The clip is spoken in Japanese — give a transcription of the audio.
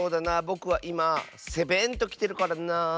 ぼくはいまセベンときてるからなあ。